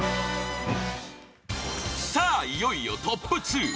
さあ、いよいよトップ２！